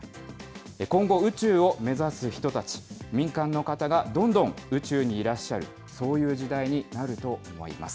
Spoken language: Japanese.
今後、宇宙を目指す人たち、民間の方がどんどん宇宙にいらっしゃる、そういう時代になると思います。